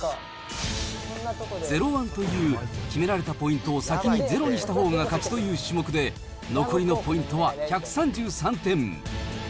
ゼロワンという、決められたポイントを先にゼロにしたほうが勝ちという種目で、残りのポイントは１３３点。